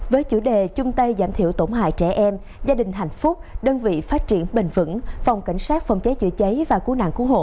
với chủ đề chung tay giảm thiểu tổn hại trẻ em gia đình hạnh phúc đơn vị phát triển bền vững phòng cảnh sát phòng cháy chữa cháy và cứu nạn cứu hộ